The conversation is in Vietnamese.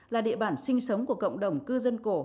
là địa bàn sinh sống của cộng đồng cư dân cổ